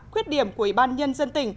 quyết điểm của ủy ban nhân dân tỉnh